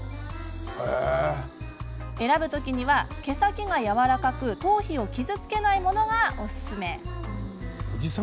選ぶ時は、毛先がやわらかく頭皮を傷つけないものがおすすめ。